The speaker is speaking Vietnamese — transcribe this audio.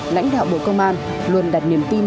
lãnh đạo bộ công an luôn đặt niềm tin